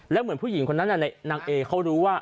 แล้วเหมือนผู้หญิงคนนั้นนางเอเขารู้ว่า